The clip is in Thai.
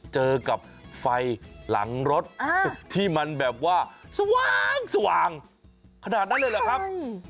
เจอกับไฟหลังรถที่มันแบบว่าสว่างขนาดนั้นเลยเหรอครับ